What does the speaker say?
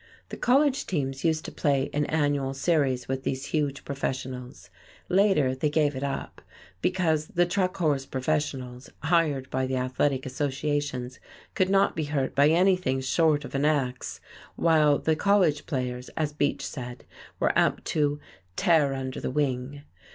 The college teams used to play an annual series with these huge professionals. Later they gave it up, because the "truck horse professionals" hired by the athletic associations could not be hurt by anything short of an ax, while the college players, as Beach said, were apt to "tear under the wing."